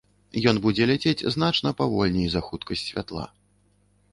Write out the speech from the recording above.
Ён будзе ляцець значна павольней за хуткасць святла.